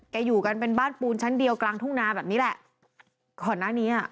อยู่กันเป็นบ้านปูนชั้นเดียวกลางทุ่งนาแบบนี้แหละก่อนหน้านี้อ่ะ